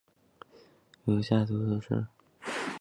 如下图所示。